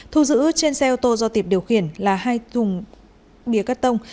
thu giữ trên xe ô tô do tiệp điều khiển là hai thùng bìa cắt tông